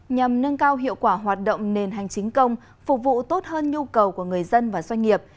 nhằm nâng cao hiệu quả hoạt động nền hành chính công phục vụ tốt hơn nhu cầu của người dân và doanh nghiệp